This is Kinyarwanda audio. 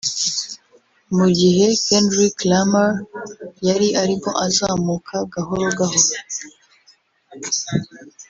Mu gihe Kendrick Lamar yari arimo azamuka gahoro gahoro